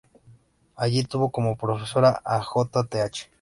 Allí tuvo como profesores a J. Th.